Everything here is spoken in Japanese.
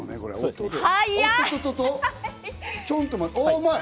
うまい！